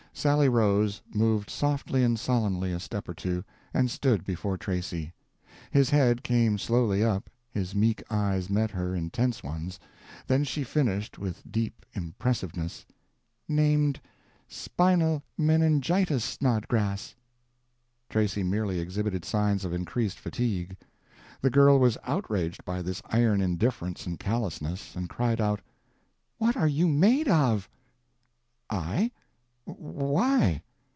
Sally rose, moved softly and solemnly a step or two, and stood before Tracy—his head came slowly up, his meek eyes met her intense ones—then she finished with deep impressiveness— "—named Spinal Meningitis Snodgrass!" Tracy merely exhibited signs of increased fatigue. The girl was outraged by this iron indifference and callousness, and cried out— "What are you made of?" "I? Why?"